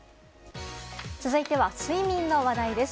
続いては睡眠の話題です。